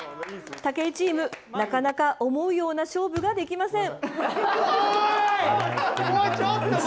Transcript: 武井チーム、なかなか思うような勝負ができません。